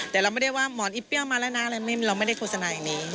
แต่เราไม่ได้ว่าหมอนอีเปรี้ยวมาแล้วนะเราไม่ได้โฆษณาอย่างนี้